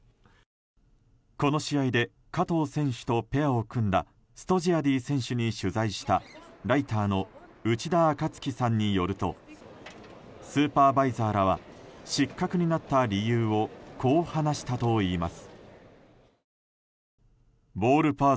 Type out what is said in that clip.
この試合で加藤選手とペアを組んだストジアディ選手に取材したライターの内田暁さんによるとスーパーバイザーらは失格になった理由をこう話したといいます。